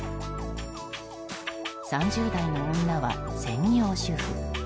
３０代の女は専業主婦。